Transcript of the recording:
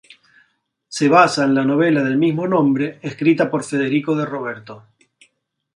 Se basa en la novela del mismo nombre escrita por Federico De Roberto.